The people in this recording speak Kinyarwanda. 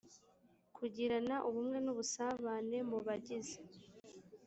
kugirana ubumwe n ubusabane mu bagize